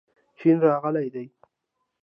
چین راغلی دی.